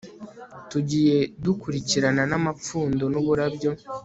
tugiye dukurikirana n amapfundo n uburabyo